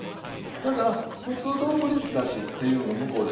だからふつう丼だしっていうのが向こうで。